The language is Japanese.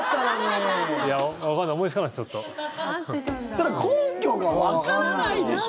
ただ根拠がわからないでしょ。